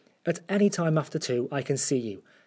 At any time after two I can see you.